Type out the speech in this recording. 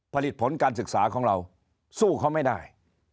ผลิตผลการศึกษาของเราสู้เขาไม่ได้